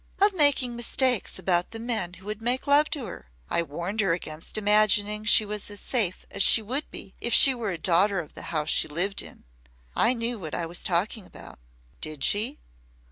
"Of making mistakes about the men who would make love to her. I warned her against imagining she was as safe as she would be if she were a daughter of the house she lived in. I knew what I was talking about." "Did she?"